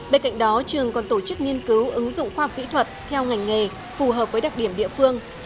bên cạnh đó trường còn tổ chức nghiên cứu ứng dụng khoa học kỹ thuật theo ngành nghề phù hợp với đặc điểm địa phương